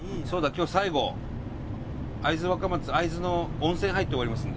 今日最後会津若松会津の温泉入って終わりますので。